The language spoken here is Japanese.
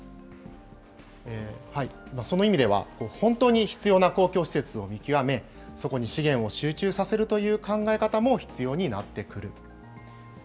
その意味では、本当に必要な公共施設を見極め、そこに資源を集中させるという考え方も必要になってくる。